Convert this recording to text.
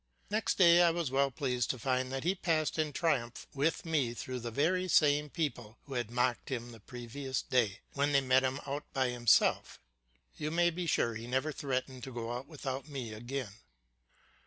Next day I was well pleased to find that he passed in triumph with me through the very same people who had mocked him the previous day, when they met him out by himself. You may be sure he never threatened to go out without me again.